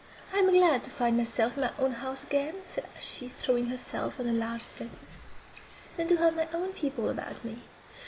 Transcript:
"I am glad to find myself in my own house again," said she, throwing herself on a large settee, "and to have my own people about me.